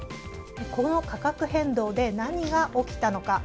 この価格変動で何が起きたのか。